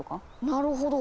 なるほど。